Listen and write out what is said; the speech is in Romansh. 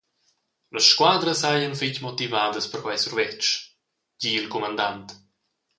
Las squadras seigien fetg motivadas per quei survetsch, gi il cumandant.